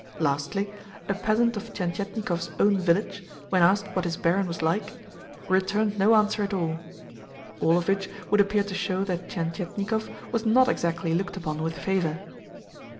Lastly, a peasant of Tientietnikov's own village, when asked what his barin was like, returned no answer at all. All of which would appear to show that Tientietnikov was not exactly looked upon with favour.